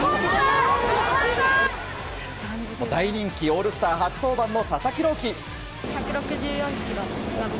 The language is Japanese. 大人気オールスター初登板佐々木朗希。